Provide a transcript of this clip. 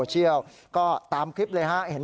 เดี๋ยวมึง